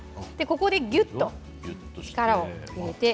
ぎゅっと力を入れて。